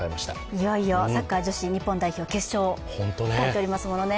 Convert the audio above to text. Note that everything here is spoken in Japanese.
いよいよサッカー女子日本代表決勝、かかっておりますもんね。